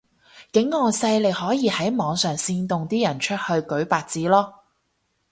境外勢力可以喺網上煽動啲人出去舉白紙囉